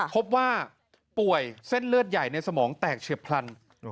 พบว่าป่วยเส้นเลือดใหญ่ในสมองแตกเฉียบพลัน